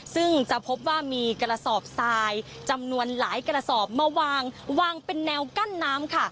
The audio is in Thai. ซึ่งจะพบว่ามีกระสอบทรายจำนวนหลายกระสอบมาวางวางเป็นแนวกั้นน้ำค่ะ